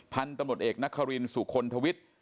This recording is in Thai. พันธุ์ตำรวจเอกนครินสุคลทวิทย์